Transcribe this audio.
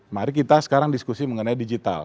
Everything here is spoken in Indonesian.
mari kita sekarang diskusi mengenai digital